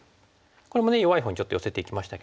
これもね弱いほうにちょっと寄せていきましたけども。